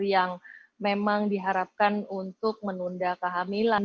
yang memang diharapkan untuk menunda kehamilan